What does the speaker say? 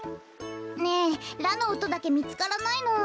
ねえラのおとだけみつからないの。